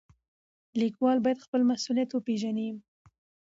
لیکوال باید خپل مسولیت وپېژني.